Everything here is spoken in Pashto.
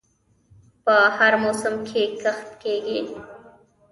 په هر موسم کې کښت کیږي.